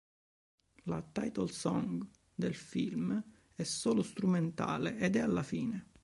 La Title song del film è solo strumentale ed è alla fine.